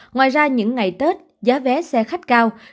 ngoài ra những ngày tết giá vé xe khách cao